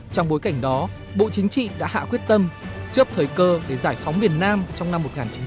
trong bối cảnh đó bộ chính trị đã hạ quyết tâm chấp thời cơ để giải phóng miền nam trong năm một nghìn chín trăm bảy mươi năm